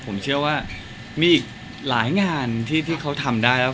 ผมเชื่อว่ามีอีกหลายงานที่เขาทำได้แล้ว